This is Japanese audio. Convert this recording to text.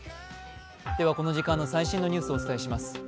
この時間の最新ニュースをお伝えします。